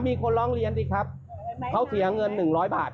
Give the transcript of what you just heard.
มีคนร้องเรียนสิครับเขาเสียเงินหนึ่งร้อยบาท